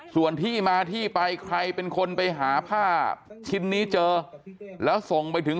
ส่วนที่มาที่ไปใครเป็นคนไปหาผ้าชิ้นนี้เจอแล้วส่งไปถึง